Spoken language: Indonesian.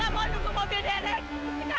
ya udah kita bisa